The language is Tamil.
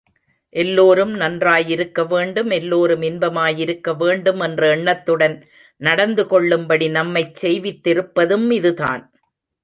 எல்லோரும் நன்றாயிருக்க வேண்டும், எல்லோரும் இன்பமாயிருக்க வேண்டும் என்ற எண்ணத்துடன் நடந்து கொள்ளும்படி நம்மைச் செய்வித்திருப்பதும் இதுதான்.